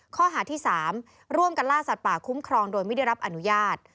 ข้อหาที่๓ร่วมกันล่าสัตว์ป่าคุ้มครองโดยไม่ได้รับอนุญาต